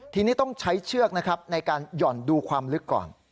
ทีนี้ต้องใช้เชือกนะครับในการหย่อนดูความลึกก่อน